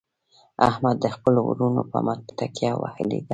احمد د خپلو ورڼو په مټ تکیه وهلې ده.